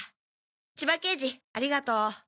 千葉刑事ありがとう。